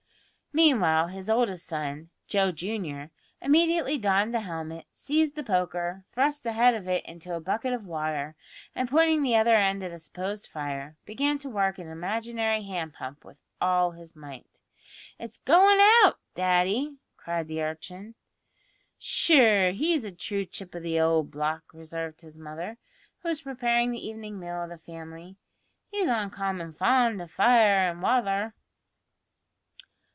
Meanwhile his eldest son, Joe junior, immediately donned the helmet, seized the poker, thrust the head of it into a bucket of water, and, pointing the other end at a supposed fire, began to work an imaginary hand pump with all his might. "It's goin' out, daddy," cried the urchin. "Sure, he's a true chip o' the owld block," observed his mother, who was preparing the evening meal of the family; "he's uncommon fond o' fire an' wather."